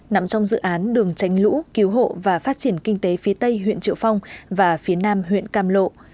nằm trong dự án đường tránh lũ cứu hộ và phát triển kinh tế phía tây huyện triệu phong và phía nam huyện cam lộ